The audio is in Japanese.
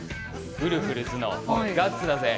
ウルフルズの「ガッツだぜ！！」。